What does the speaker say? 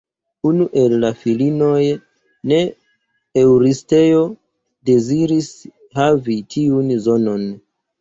Unu el la filinoj de Eŭristeo deziris havi tiun zonon.